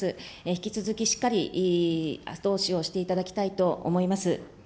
引き続きしっかり後押しをしていただきたいと思います。